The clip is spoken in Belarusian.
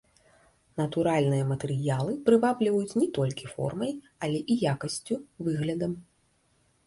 Натуральныя матэрыялы прывабліваюць не толькі формай, але і якасцю, выглядам.